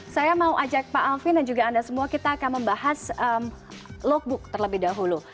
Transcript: saya mau ajak pak alvin dan juga anda semua kita akan membahas logbook terlebih dahulu